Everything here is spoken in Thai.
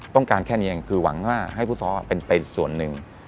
ต้องการแค่นี้เองคือหวังว่าให้ฟุตซอลเป็นส่วนหนึ่ง